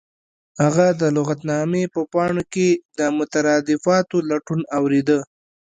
هغه د لغتنامې په پاڼو کې د مترادفاتو لټون اوریده